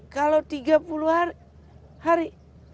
kalau tiga puluh hari